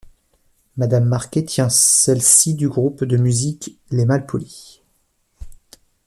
Madame Marquet tient celleci du groupe de musique «Les Malpolis».